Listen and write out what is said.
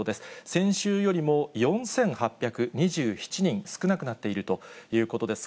先週よりも４８２７人少なくなっているということです。